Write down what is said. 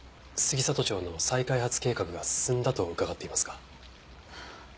杉里町の再開発計画が進んだと伺っていますが。